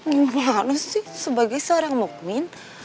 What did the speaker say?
gimana sih sebagai seorang mukmin